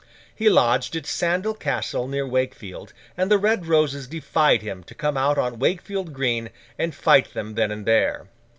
He lodged at Sandal Castle, near Wakefield, and the Red Roses defied him to come out on Wakefield Green, and fight them then and there.